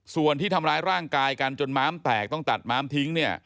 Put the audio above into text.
ส่วนที่ทำร้ายร่างกายกันจนม้ามแตกต้องตัดม้ามทิ้งเนี่ย